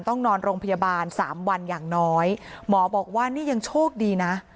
ต้องนอนโรงพยาบาลสามวันอย่างน้อยหมอบอกว่านี่ยังโชคดีนะ